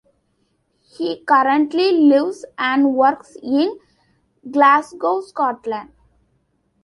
He currently lives and works in Glasgow, Scotland.